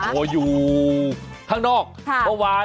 โหยูข้างนอกครับบ๊าววาย